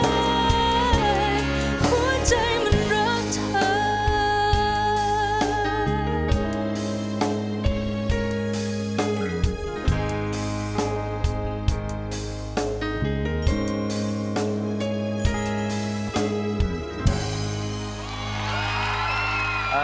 หัวใจมันรักเธอ